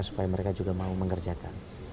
supaya mereka juga mau mengerjakan